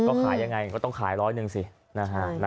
ก็ขายยังไงก็ต้องขายร้อยหนึ่งสินะฮะ